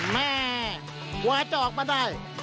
แม่หัวจะออกมาได้